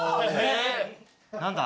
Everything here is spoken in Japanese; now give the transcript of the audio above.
何だ？